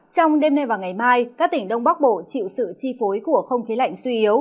trong đêm nay và ngày mai các tỉnh đông bắc bộ chịu sự chi phối của không khí lạnh suy yếu